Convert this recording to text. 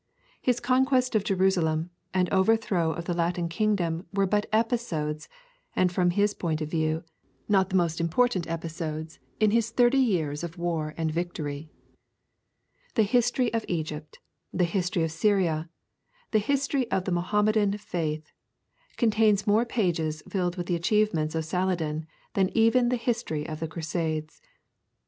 His conquest of Jerusalem and overthrow of the Latin kingdom were but episodes, and from his point of view, not the most important episodes in his thirty years of war and victory. The History of Egypt, the History of Syria, the History of the Mohammedan faith, contain more pages filled with the achievements of Saladin than even the History of the Crusades.